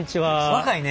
若いね。